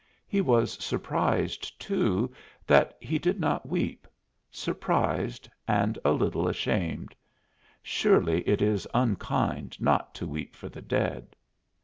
He was surprised, too, that he did not weep surprised and a little ashamed; surely it is unkind not to weep for the dead.